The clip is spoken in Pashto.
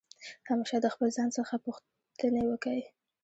همېشه د خپل ځان څخه پوښتني وکئ!